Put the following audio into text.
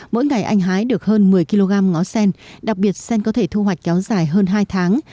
mỗi ngày anh hái được hơn một mươi kg ngó sen đặc biệt sen có thể thu hoạch kéo dài hơn hai tháng